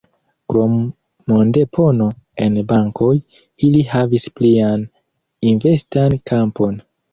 Krom mondepono en bankoj, ili havis plian investan kampon.